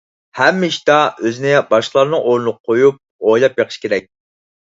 ھەممە ئىشتا ئۆزىنى باشقىلارنىڭ ئورنىغا قويۇپ ئويلاپ بېقىش كېرەك.